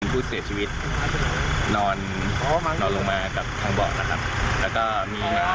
ผู้เสียชีวิตนอนลงมากับทางบ่อนะครับแล้วก็มีมันมาด้วยครับนี่คือคนโจรเจ้าของครับ